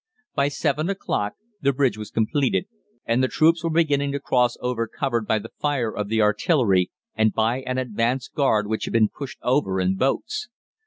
"By seven o'clock the bridge was completed, and the troops were beginning to cross over covered by the fire of the artillery and by an advance guard which had been pushed over in boats.